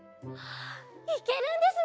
いけるんですね！